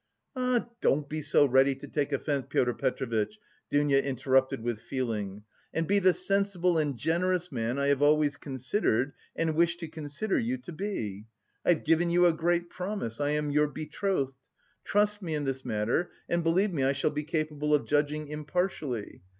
"Ah, don't be so ready to take offence, Pyotr Petrovitch," Dounia interrupted with feeling, "and be the sensible and generous man I have always considered, and wish to consider, you to be. I've given you a great promise, I am your betrothed. Trust me in this matter and, believe me, I shall be capable of judging impartially.